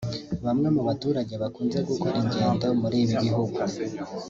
Bamwe mu baturage bakunze gukora ingendo muri ibi bihugu